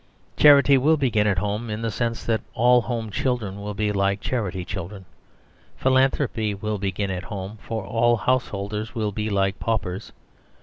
Charity will begin at home in the sense that all home children will be like charity children. Philanthropy will begin at home, for all householders will be like paupers.